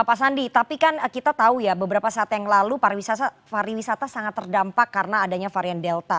pak sandi tapi kan kita tahu ya beberapa saat yang lalu pariwisata sangat terdampak karena adanya varian delta